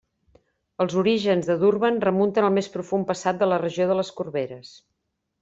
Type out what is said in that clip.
Els orígens de Durban remunten al més profund passat de la regió de les Corberes.